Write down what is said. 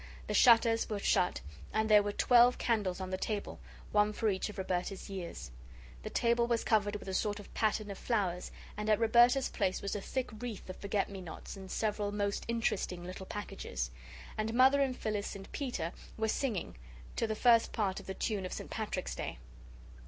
The shutters were shut and there were twelve candles on the table, one for each of Roberta's years. The table was covered with a sort of pattern of flowers, and at Roberta's place was a thick wreath of forget me nots and several most interesting little packages. And Mother and Phyllis and Peter were singing to the first part of the tune of St. Patrick's Day.